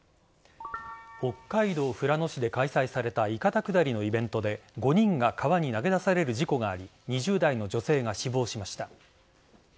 北海道富良野市で開催されたいかだ下りのイベントで５人が川に投げ出される事故があり２０代の女性が死亡しました。